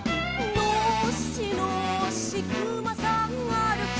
「のっしのっしくまさんあるき」